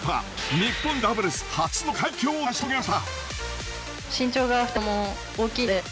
日本女子ダブルス初の快挙を成し遂げました。